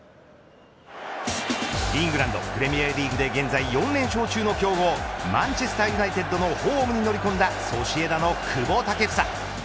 イングランドプレミアリーグで現在４連勝中の強豪マンチェスター・ユナイテッドのホームに乗り込んだソシエダの久保建英。